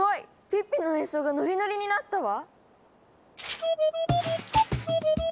ピッピの演奏がノリノリになったわ！